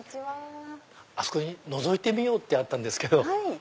あそこに「のぞいてみよう」ってあったんですけど。